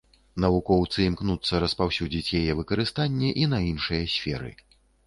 Навукоўцы імкнуцца распаўсюдзіць яе выкарыстанне і на іншыя сферы.